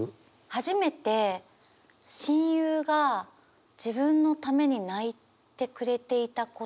初めて親友が自分のために泣いてくれていたことを知った。